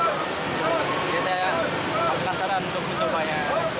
biasanya penasaran untuk mencobanya